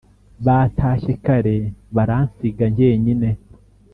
Batashye kare baransiga njyenyine